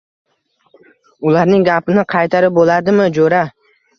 Ularning gapini qaytarib bo‘ladimi, jo‘ra?